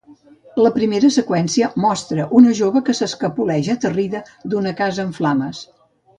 La primera seqüència mostra una jove que s'escapoleix aterrida d'una casa en flames.